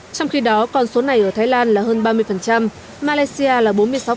trong khi đó con số này ở thái lan là hơn ba mươi malaysia là bốn mươi sáu